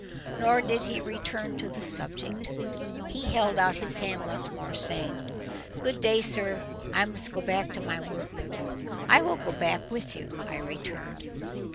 Nor did he return to the subject. He held out his hand once more, saying— "Good day, sir. I must go back to my work." "I will go back with you," I returned.